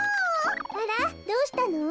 あらっどうしたの？